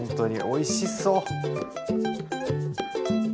おいしそう！